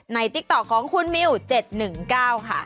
ติ๊กต๊อกของคุณมิว๗๑๙ค่ะ